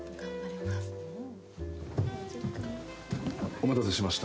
お待たせしました。